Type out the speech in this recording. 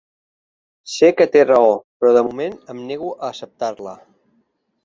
Sé que té raó, però de moment em nego a acceptar-la.